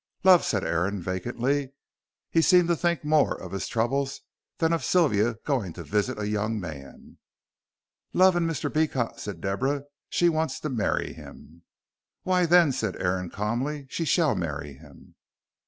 "Love," said Aaron, vacantly. He seemed to think more of his troubles than of Sylvia going to visit a young man. "Love and Mr. Beecot," said Deborah. "She wants to marry him." "Why, then," said Aaron, calmly, "she shall marry him."